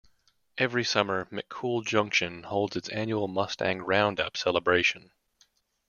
Every summer, McCool Junction holds its annual Mustang Roundup Celebration.